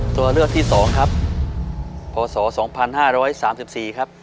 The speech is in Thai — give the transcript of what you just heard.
ตัวเลือกที่๒ครับพศ๒๕๓๔ครับ